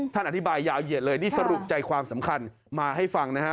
ท่านอธิบายยาวเหยียดเลยนี่สรุปใจความสำคัญมาให้ฟังนะฮะ